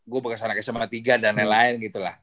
gue bagasana ke tiga dan lain lain gitu lah